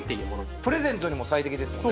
プレゼントにも最適ですもんね